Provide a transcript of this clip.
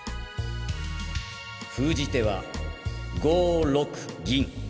封じ手は５六銀。